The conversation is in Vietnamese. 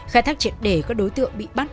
khai thác triệt để các đối tượng bị bắt